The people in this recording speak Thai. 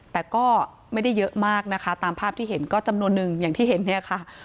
แต่ก็ไม่ได้เยอะมากนะคะตามภาพที่เห็นก็จำนวนนึงอย่างที่เห็นเนี่ยค่ะ